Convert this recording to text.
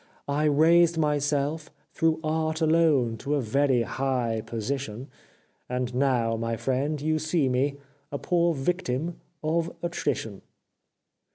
I raised myself — through Art alone — to a very high position, And now, my friend, you see me, a poor victim of attrition."